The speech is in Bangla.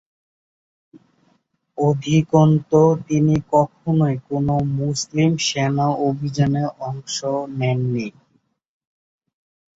অধিকন্তু, তিনি কখনোই কোন মুসলিম সেনা অভিযানে অংশ নেন নি।